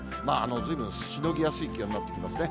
ずいぶんしのぎやすい気温になってきますね。